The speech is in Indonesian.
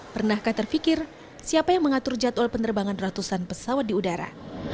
pernahkah terpikir siapa yang mengatur jadwal penerbangan ratusan pesawat di udara